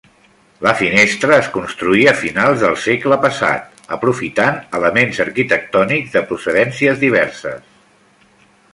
La finestra es construí a finals del segle passat, aprofitant elements arquitectònics de procedències diverses.